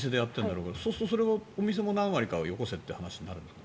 そうすると、お店も何割かはよこせとなるんですか？